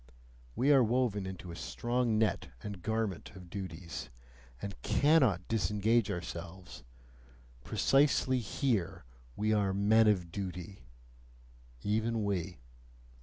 We are woven into a strong net and garment of duties, and CANNOT disengage ourselves precisely here, we are "men of duty," even we!